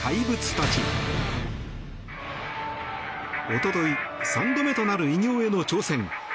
一昨日、３度目となる偉業への挑戦。